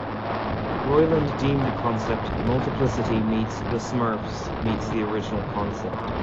Roiland deemed the concept "Multiplicity" meets "The Smurfs" meets the original concept.